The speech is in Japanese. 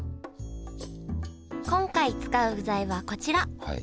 今回使う具材はこちら。